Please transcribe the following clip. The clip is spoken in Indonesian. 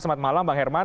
selamat malam bang herman